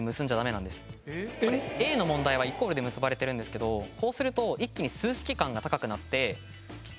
Ａの問題はイコールで結ばれてるんですけどこうすると一気に。